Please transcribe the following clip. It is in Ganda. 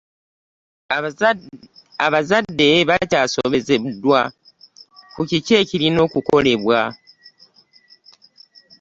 Abazadde bakyasobeddwa ku kiki ekirina okukolebwa.